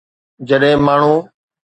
جڏهن ماڻهو